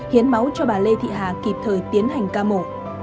hiến máu cho bà lê thị hà kịp thời tiến hành ca mổ